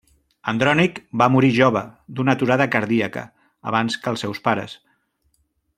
Andrònic va morir jove d'una aturada cardíaca, abans que els seus pares.